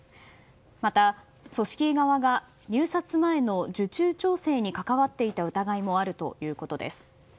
また組織委側が入札前の受注調整に関わっていた疑いもあるということです。